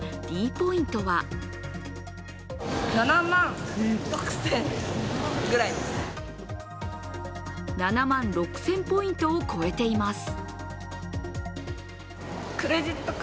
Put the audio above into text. ｄポイントは７万６０００ポイントを超えています